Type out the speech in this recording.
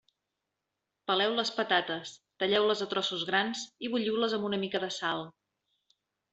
Peleu les patates, talleu-les a trossos grans i bulliu-les amb una mica de sal.